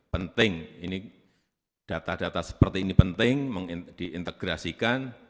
penting ini data data seperti ini penting diintegrasikan